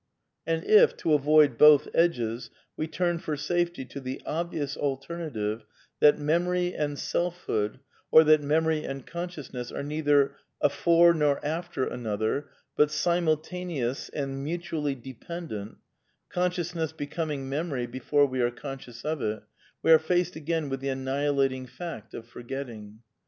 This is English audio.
And if, to avoid both edges, we turn for safety to the obvious alternative that memory and selfhood, or that memory and consciousness are neither afore nor after an other, but simultaneous and mutually dependent, conscious ness becoming memory before we are conscious of it, we are / faced again with the annihilating fact of forgetting.